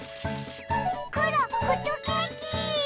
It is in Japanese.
コロンホットケーキ！